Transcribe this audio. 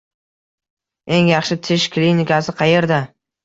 Eng yaxshi tish klinikasi qayerda?